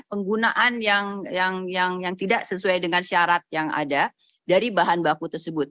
penggunaan yang tidak sesuai dengan syarat yang ada dari bahan baku tersebut